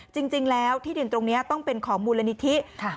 จริงแล้วที่ดินตรงนี้ต้องเป็นของมูลนิธิค่ะ